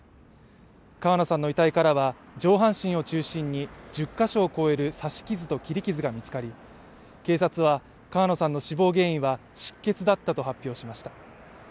川野さんの遺体からは上半身を中心に１０か所を超える刺し傷と切り傷が見つかり警察は、川野さんの死亡原因は失血だったと発表しました。